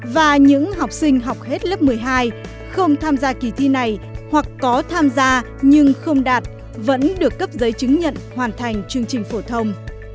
và những học sinh học hết lớp một mươi hai không tham gia kỳ thi này hoặc có tham gia nhưng không đạt vẫn được cấp giấy chứng nhận hoàn thành chương trình phổ thông